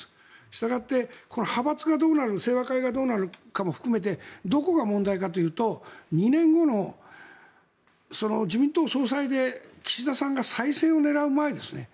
したがって派閥がどうなる清和会がどうなるかも含めてどこが問題かというと２年後の自民党総裁で岸田さんが再選を狙う前ですね